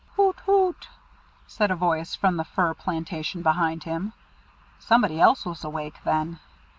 "Hoot! hoot!" said a voice from the fir plantation behind him. Somebody else was awake, then.